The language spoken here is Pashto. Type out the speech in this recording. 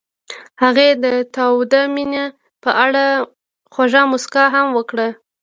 هغې د تاوده مینه په اړه خوږه موسکا هم وکړه.